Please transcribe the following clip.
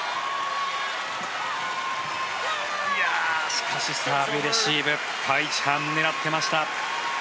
しかしサーブレシーブカ・イチハン、狙っていました。